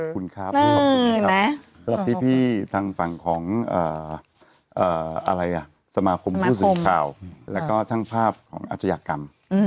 ขอบคุณครับพี่ทางฝั่งของสมาคมผู้สื่อข่าวและก็ทางภาพของอาชญากรรม